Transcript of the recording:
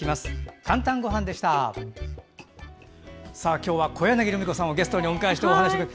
今日は、小柳ルミ子さんをゲストにお迎えしてお話が。